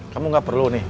kamu gak perlu nih